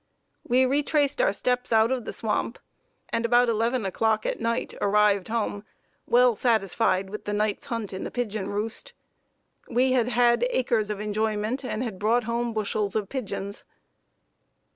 We retraced our steps out of the swamp, and about 11 o'clock at night arrived home well satisfied with the night's hunt in the pigeon roost. We had had acres of enjoyment and had brought home bushels of pigeons.